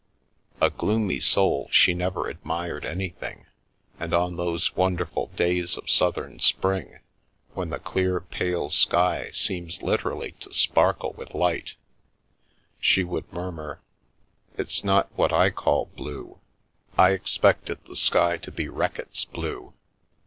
A gloomy soul, she never admired anything, and on those wonderful days of southern spring, when the clear, pale sky seems literally to sparkle with light, I Get Me to a Nunnery she would murmur, " It's not what I call blue. I ex pected the sky to be Reckitt's blue.